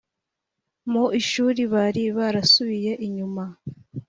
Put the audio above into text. Mu ishuri bari barasubiye inyuma.